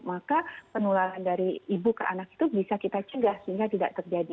maka penularan dari ibu ke anak itu bisa kita cegah sehingga tidak terjadi